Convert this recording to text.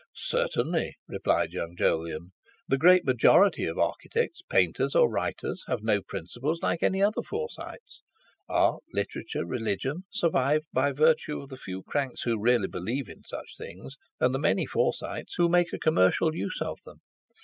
"Certainly," replied young Jolyon. "The great majority of architects, painters, or writers have no principles, like any other Forsytes. Art, literature, religion, survive by virtue of the few cranks who really believe in such things, and the many Forsytes who make a commercial use of them.